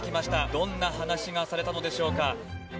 どんな話がされたのでしょうか。